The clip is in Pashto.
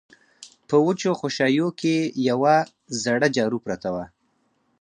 په وچو خوشايو کې يوه زړه جارو پرته وه.